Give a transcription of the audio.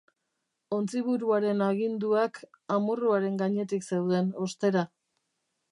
Ontziburuaren aginduak amorruaren gainetik zeuden, ostera.